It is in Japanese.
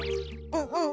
うん。